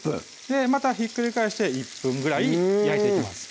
またひっくり返して１分ぐらい焼いていきます